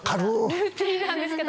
ルーティンなんですけど。